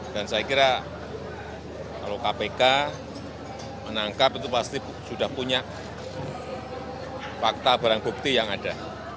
dan saya kira kalau kpk menangkap itu pasti sudah punya fakta barang bukti yang ada